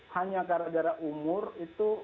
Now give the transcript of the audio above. hanya karena umur itu